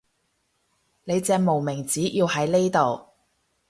你隻無名指要喺呢度